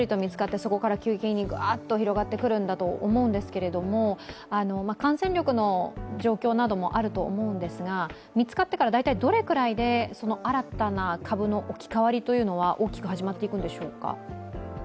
そこから急激にがっと増えてくると思うんですけれども感染力の状況などもあると思うんですが見つかってからどれくらいで新たな株の置き換わりというのは大きく始まっていくんでしょうか。